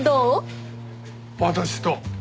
私と？